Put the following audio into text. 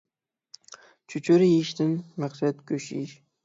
چۆچۈرە يېيىشتىن مەقسەت گۆش يېيىش